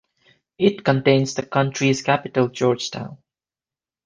It contains the country's capital Georgetown.